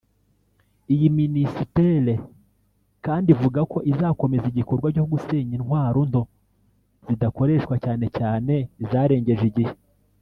Iyi minisitere kandi ivuga ko izakomeza igikorwa cyo gusenya intwaro nto zidakoreshwa cyane cyane izarengeje igihe